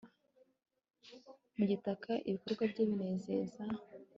mu gitaka, ibikorwa bye binezeza